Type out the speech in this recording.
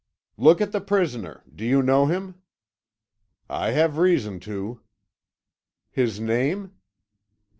"Look at the prisoner. Do you know him?" "I have reason to." "His name?"